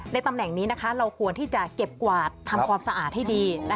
ตำแหน่งนี้เราควรที่จะเก็บกวาดทำความสะอาดให้ดี